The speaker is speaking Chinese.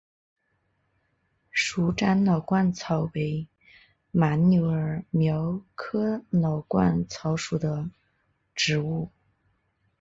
鼠掌老鹳草为牻牛儿苗科老鹳草属的植物。